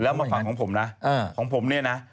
แล้วมาฝั่งของผมนะของผมเนี่ยนะ